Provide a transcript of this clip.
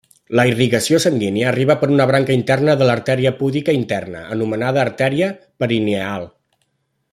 La irrigació sanguínia arriba per una branca interna de l'artèria púdica interna, anomenada artèria perineal.